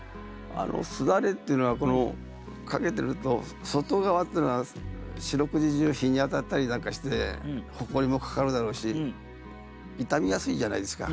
簾っていうのは掛けてると外側っていうのは四六時中日に当たったりなんかしてほこりもかかるだろうし傷みやすいじゃないですか。